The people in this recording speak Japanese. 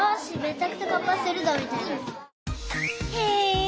へえ。